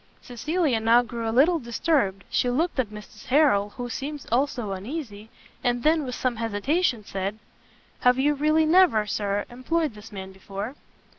Cecilia now grew a little disturbed; she looked at Mrs. Harrel, who seemed also uneasy, and then, with some hesitation, said "Have you really never, Sir, employed this man before?"